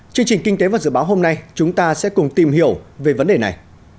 chương trình kinh tế và dự báo hôm nay chúng ta sẽ cùng tìm hiểu về vấn đề này